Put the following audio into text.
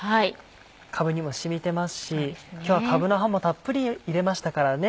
かぶにも染みてますし今日はかぶの葉もたっぷり入れましたからね。